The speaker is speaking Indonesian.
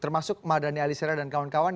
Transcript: termasuk mbak dhani alisira dan kawan kawan